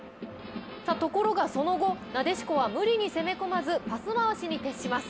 ところがその後なでしこは無理に攻め込まずパス回しに徹します。